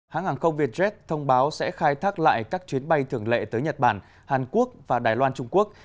hãng hàng không vietjet thông báo sẽ khai thác lại các chuyến bay thường lệ tới nhật bản hàn quốc và đài loan trung quốc